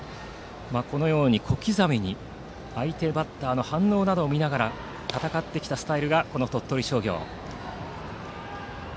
このように小刻みに相手バッターの反応を見ながら戦ってきたスタイルが鳥取商業。